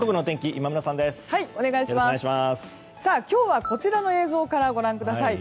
今日はこちらの映像からご覧ください。